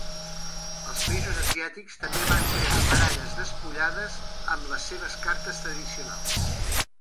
Els països asiàtics també van crear baralles despullades amb les seves cartes tradicionals.